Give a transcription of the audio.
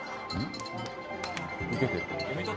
受けてる。